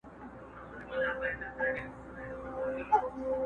څوک وايي نر دی څوک وايي ښځه!.